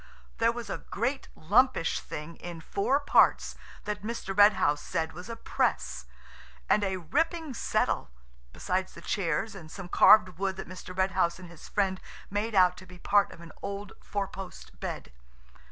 There was a great lumpish thing in four parts that Mr. Red House said was a press, and a ripping settle–besides the chairs, and some carved wood that Mr. Red House and his friend made out to be part of an old four post bed.